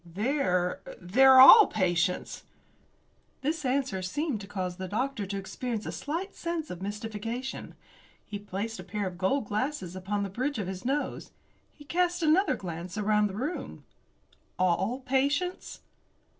"They're they're all patients." This answer seemed to cause the doctor to experience a slight sense of mystification. He placed a pair of gold glasses upon the bridge of his nose. He cast another glance around the room. "All patients?"